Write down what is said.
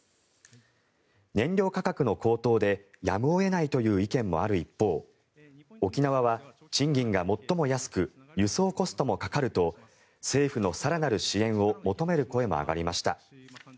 燃料価格の高騰でやむを得ないという意見もある一方沖縄は賃金が最も安く輸送コストもかかると政府の更なる支援を求める声も上がりました。